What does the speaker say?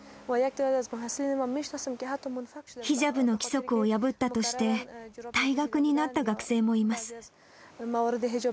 ヒジャブの規則を破ったとして、退学になった学生もいます。